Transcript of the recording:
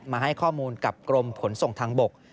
มาให้ข้อมูลกับกรมขนส่งทางบก